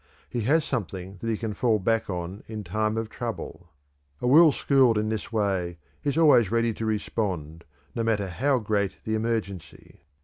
He has something that he can fall back on in time of trouble. A will schooled in this way is always ready to respond, no matter how great the emergency.